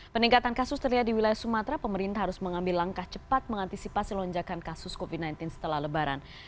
peningkatan kasus terlihat di wilayah sumatera pemerintah harus mengambil langkah cepat mengantisipasi lonjakan kasus covid sembilan belas setelah lebaran